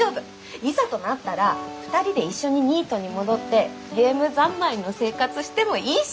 いざとなったら２人で一緒にニートに戻ってゲーム三昧の生活してもいいし！